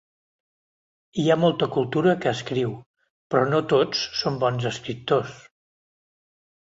Hi ha molta cultura que escriu, però no tots són bons escriptors.